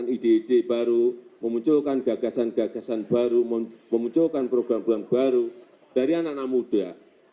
dengan ide ide baru memunculkan gagasan gagasan baru memunculkan program program baru dari anak anak muda